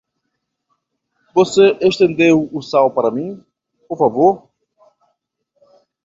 Você estendeu o sal para mim, por favor?